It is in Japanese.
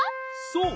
そう！